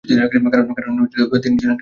কারণ তিনি ছিলেন খৃষ্টান।